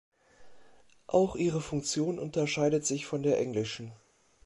Auch ihre Funktion unterscheidet sich von der englischen.